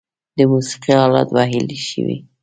د موسیقۍ آلات وهلی شئ؟